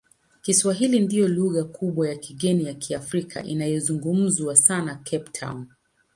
Kiswahili ndiyo lugha kubwa ya kigeni ya Kiafrika inayozungumzwa sana Cape Town.